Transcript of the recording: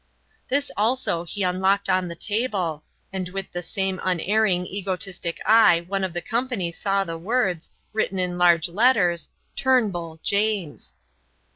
This also he unlocked on the table, and with the same unerring egotistic eye on of the company saw the words, written in large letters: "Turnbull, James."